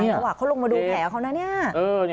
ระหว่างเขาลงมาดูแผลเขานะ